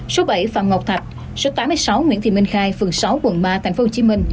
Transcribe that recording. số bảy phạm ngọc thạch số tám mươi sáu nguyễn thị minh khai phường sáu quận ba tp hcm